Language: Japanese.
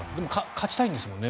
勝ちたいんですもんね